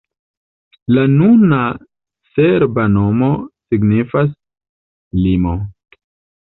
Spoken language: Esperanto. La nuna serba nomo signifas: limo.